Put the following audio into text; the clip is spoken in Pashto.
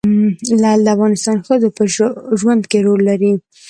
لعل د افغان ښځو په ژوند کې رول لري.